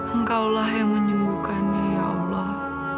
engkau yang menyembuhkan dia ya allah